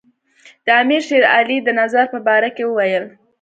د امیر شېر علي د نظر په باره کې وویل.